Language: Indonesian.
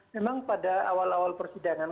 memang pada awal awal persidangan